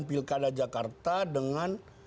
pilkara jakarta dengan